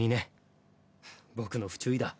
僕の不注意だ。